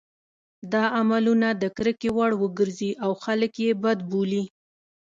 دا عملونه د کرکې وړ وګرځي او خلک یې بد بولي.